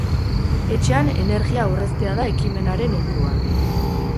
Etxean energia aurreztea da ekimenaren helburua.